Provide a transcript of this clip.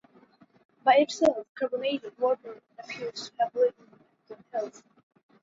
By itself, carbonated water appears to have little impact on health.